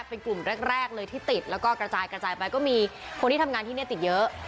เป็นกลุ่มแรกเลยที่ติดแล้วก็กระจายกระจายไปก็มีคนที่ทำงานที่นี่ติดเยอะ